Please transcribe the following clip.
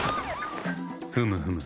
ふむふむ。